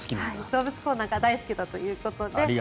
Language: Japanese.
動物コーナーが大好きだということで。